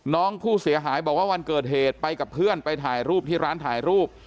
น้องผู้เสียหายบอกว่าวันเกิดเหตุไปกับเพื่อนไปถ่ายรูปที่ร้านถ่ายรูป